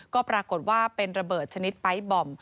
ก็ปรากฏว่าเป็นระเบิดชนิดไปร์ทบอม